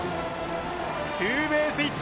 ツーベースヒット！